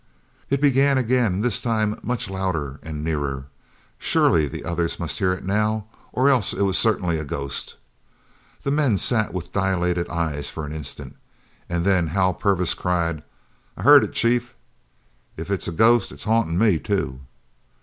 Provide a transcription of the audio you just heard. It began again, and this time much louder and nearer. Surely the others must hear it now, or else it was certainly a ghost. The men sat with dilated eyes for an instant, and then Hal Purvis cried, "I heard it, chief! If it's a ghost, it's hauntin' me too!"